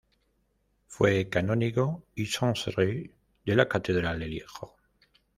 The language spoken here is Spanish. Fue canónigo y chantre de la catedral de Lieja.